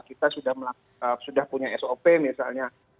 kita sudah punya sop misalnya